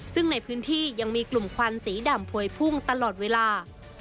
ซึ่งในพื้นที่ยังมีกลุ่มควันสีดำพวยพุ่งตลอดเวลา